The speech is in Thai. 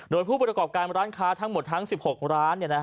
โดยผู้ประกอบการร้านค้าทั้งหมดทั้ง๑๖ร้าน